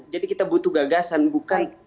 jadi kita butuh gagasan bukan